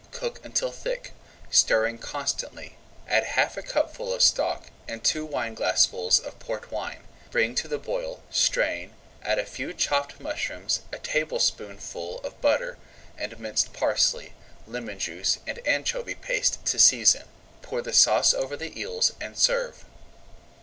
Cook until thick, stirring constantly. Add half a cupful of stock, and two wineglassfuls of Port wine. Bring to the boil, strain, add a few chopped mushrooms, a tablespoonful of butter, and minced parsley, lemon juice, and anchovy paste to season. Pour the sauce over the eels, and serve.